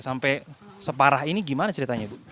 sampai separah ini gimana ceritanya bu